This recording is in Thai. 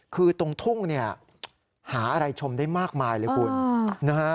คือตรงทุ่งเนี่ยหาอะไรชมได้มากมายเลยคุณนะฮะ